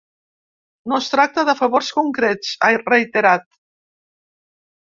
No es tracta de favors concrets, ha reiterat.